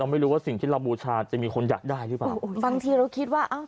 ไม่รู้ว่าสิ่งที่เราบูชาจะมีคนอยากได้หรือเปล่าบางทีเราคิดว่าอ้าว